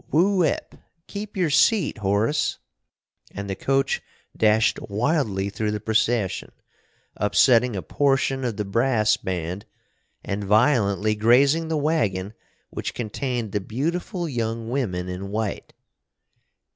Whoo ep! Keep your seat, Horace!" and the coach dashed wildly through the procession, upsetting a portion of the brass band, and violently grazing the wagon which contained the beautiful young women in white.